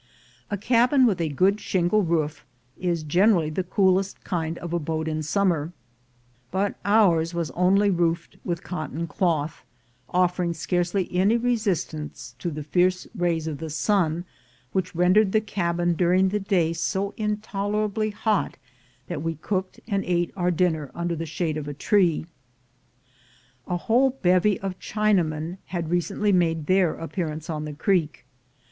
A cdbin with a good ^lingje roof is generally the cocdest kind of abode in sommcr; but ours was onfy roofed with cotton doth, oHeimg scarc^^ any resist ance to die fierce rays of tbe sun, wfaidi rendered the cabin during tbe d^ so intxderaUy hot that we cooked and ate our dinner under the sbade of a tree. A whole bevy of Chinamen had recent^ made their a|)pearanoe on die creek.